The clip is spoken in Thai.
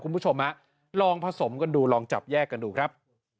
คุณผู้ชมฮะลองผสมกันดูลองจับแยกกันดูครับ